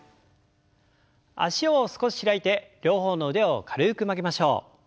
脚を少し開いて両方の腕を軽く曲げましょう。